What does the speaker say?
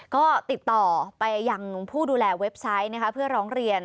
ก็ติดต่อไปยังผู้ดูแลเว็บไซต์เพื่อร้องเรียน